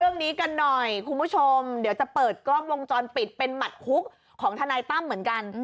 เรื่องนี้กันหน่อยคุณผู้ชมเดี๋ยวจะเปิดกล้องวงจรปิดเป็นหมัดคุกของทนายตั้มเหมือนกัน